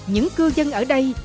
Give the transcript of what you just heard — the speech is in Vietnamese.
những cư dân ở đây